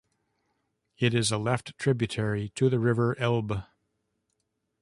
It is a left tributary to the river Elbe.